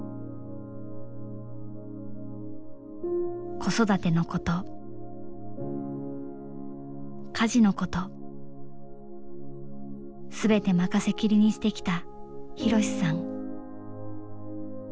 子育てのこと家事のこと全て任せ切りにしてきた博さん。